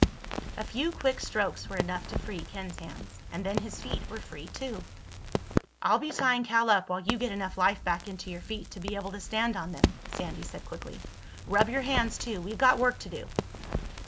A few quick strokes were enough to free Ken's hands. And then his feet were free too. "I'll be tying Cal up while you get enough life back into your feet to be able to stand on them," Sandy said quickly. "Rub your hands too. We've got work to do."